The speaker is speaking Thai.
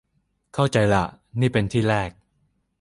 เข้าใจล่ะ นี่เป็นที่แรก